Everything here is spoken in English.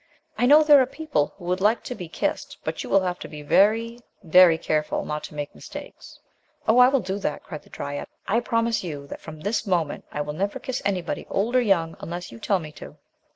I know there are people who would like to be kissed, but you will have to be very, 24 THE LOST DRYAD very careful not to make mistakes." "Oh, I will do that!" cried the dryad, "I promise you, that, from this moment, I will never kiss anybody, old or young, unless you tell me to."